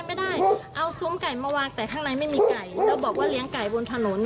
ไม่ใช่จะพึ่งไปต้องเคลียร์กันก่อนขอเคลียร์ก่อนนะ